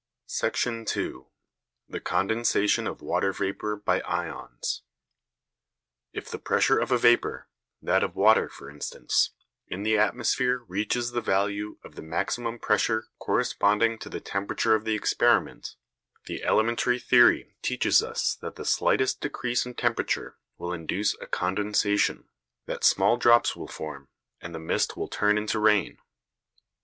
§ 2. THE CONDENSATION OF WATER VAPOUR BY IONS If the pressure of a vapour that of water, for instance in the atmosphere reaches the value of the maximum pressure corresponding to the temperature of the experiment, the elementary theory teaches us that the slightest decrease in temperature will induce a condensation; that small drops will form, and the mist will turn into rain.